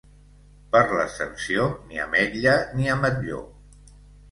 Per l'Ascensió, ni ametlla ni ametlló.